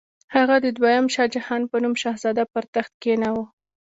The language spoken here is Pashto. هغه د دوهم شاهجهان په نوم شهزاده پر تخت کښېناوه.